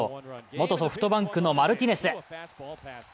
元ソフトバンクのマルティネス。